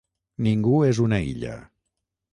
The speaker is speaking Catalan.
Ningú és una illa.